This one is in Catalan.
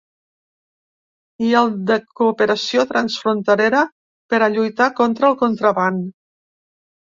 I el de cooperació transfronterera per a lluitar contra el contraban.